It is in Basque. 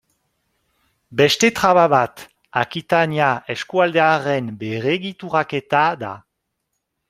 Beste traba bat Akitania eskualdearen berregituraketa da.